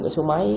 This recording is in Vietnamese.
cái số máy